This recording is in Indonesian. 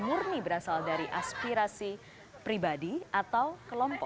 murni berasal dari aspirasi pribadi atau kelompok